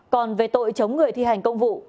còn về tội chống người thi hành công vụ